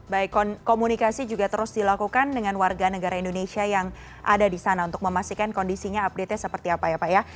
baik komunikasi juga terus dilakukan dengan warga negara indonesia yang ada di sana untuk memastikan kondisinya update nya seperti apa ya pak ya